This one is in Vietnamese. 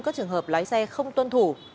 các trường hợp lái xe không tuân thủ